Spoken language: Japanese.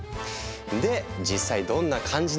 で実際どんな感じなのか。